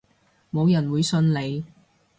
冇人會信你